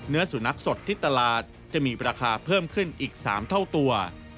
เนื้อสุนัขสดที่ตลาดจะมีราคาเพิ่มขึ้นอีก๓เท่าตัว